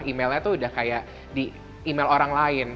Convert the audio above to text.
email nya sudah seperti email orang lain